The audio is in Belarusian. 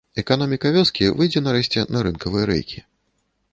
Эканоміка вёскі выйдзе нарэшце на рынкавыя рэйкі.